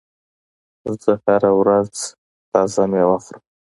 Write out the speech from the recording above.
زه هره ورځ تازه میوه خورم.